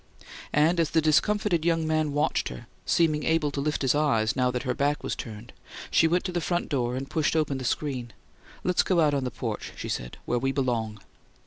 And as the discomfited young man watched her, seeming able to lift his eyes, now that her back was turned, she went to the front door and pushed open the screen. "Let's go out on the porch," she said. "Where we belong!"